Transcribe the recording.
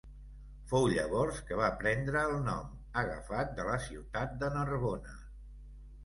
Fou llavors que va prendre el nom, agafat de la ciutat de Narbona.